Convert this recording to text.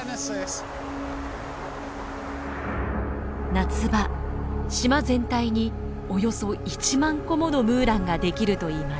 夏場島全体におよそ１万個ものムーランが出来るといいます。